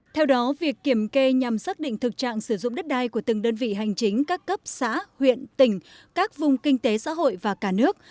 theo đó việc kiểm kê nhằm xác định thực trạng sử dụng đất đai của từng đơn vị hành chính các cấp xã huyện tỉnh các vùng kinh tế xã hội và cả nước